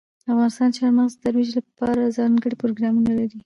افغانستان د چار مغز د ترویج لپاره ځانګړي پروګرامونه لري.